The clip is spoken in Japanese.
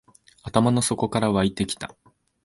頭の底から湧いてきた